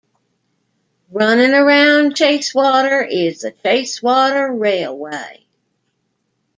Running around Chasewater is the Chasewater Railway.